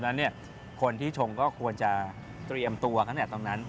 เพราะฉะนั้นคนที่ชงก็ควรจะเตรียมตัวขนาดตรงนั้น